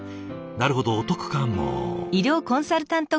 なるほどお得かも。